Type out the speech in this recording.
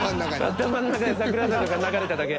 頭の中に「桜坂」が流れただけ。